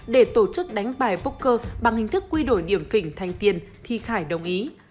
để tổ chức đánh bài poker bằng hình thức quy đổi điểm phỉnh thanh tiền thi khải đồng ý